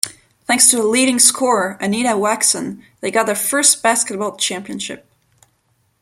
Thanks to the leading scorer, Anita Waxen, they got their first basketball championship.